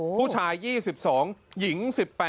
ผู้ชาย๒๒หญิง๑๘